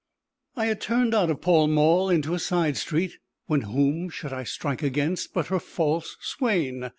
I had turned out of Pall Mall into a side street, when whom should I strike against but her false swain!